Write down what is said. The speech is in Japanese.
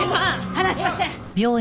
離しません！